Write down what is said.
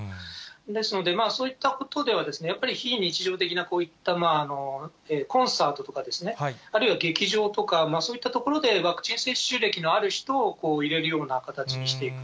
ですので、そういったことではやっぱり非日常的な、こういったコンサートとかですね、あるいは劇場とか、そういった所でワクチン接種歴のある人を入れるような形にしていく。